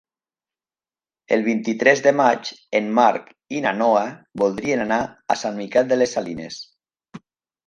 El vint-i-tres de maig en Marc i na Noa voldrien anar a Sant Miquel de les Salines.